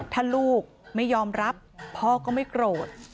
ถ้าลูกไม่ยอมรับพ่อก็ไม่โกรธ